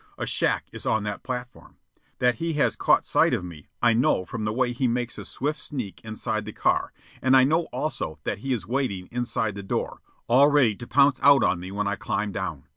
A shack is on that platform. That he has caught sight of me, I know from the way he makes a swift sneak inside the car; and I know, also, that he is waiting inside the door, all ready to pounce out on me when I climb down.